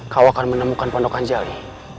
kau akan menemukan pandok anjali